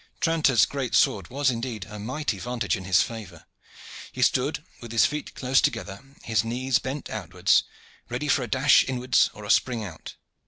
Tranter's great sword was indeed a mighty vantage in his favor. He stood with his feet close together, his knees bent outwards, ready for a dash inwards or a spring out.